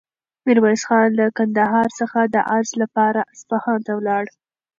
میرویس خان له کندهار څخه د عرض لپاره اصفهان ته ولاړ.